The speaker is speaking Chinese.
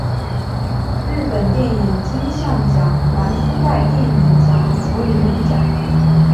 日本电影金像奖蓝丝带电影奖柏林影展